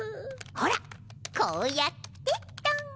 ほらこうやってっと。